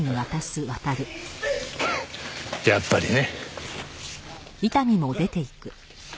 フッやっぱりね。